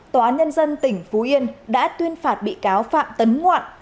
tòa án nhân dân tỉnh phú yên đã tuyên phạt bị cáo phạm tấn ngoạn